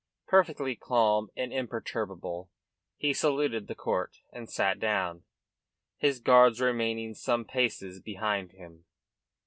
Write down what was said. Perfectly calm and imperturbable, he saluted the court, and sat down, his guards remaining some paces behind him.